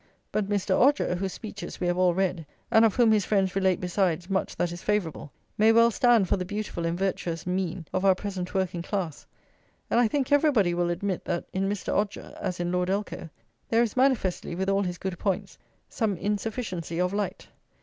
But Mr. Odger, whose speeches we have all read, and of whom his friends relate, besides, much that is favourable, may very well stand for the beautiful and virtuous mean of our present working class; and I think everybody will admit that in Mr. Odger, as in Lord Elcho, there is manifestly, with all his good points, some insufficiency of light.